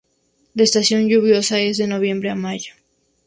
La estación lluviosa es de noviembre a mayo.